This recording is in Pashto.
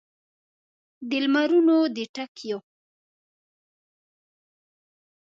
د لمرونو د ټکېو